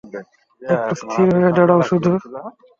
একটু স্থির হয়ে দাঁড়াও শুধু!